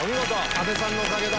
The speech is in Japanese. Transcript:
阿部さんのおかげだ。